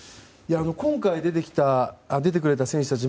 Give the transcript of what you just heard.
今回出てくれた選手たち